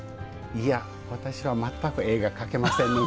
いや私は全く絵が描けませんので。